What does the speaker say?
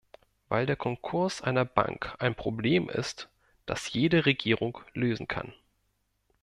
Weil der Konkurs einer Bank ein Problem ist, das jede Regierung lösen kann.